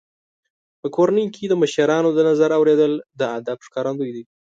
په کورنۍ کې د مشرانو د نظر اورېدل د ادب ښکارندوی دی.